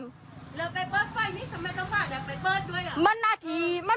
แล้วไปเปิดไฟนี่ทำไมต้องพาเด็กไปเปิดด้วยอ่ะ